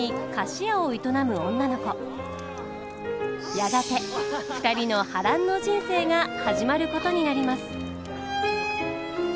やがて２人の波乱の人生が始まることになります。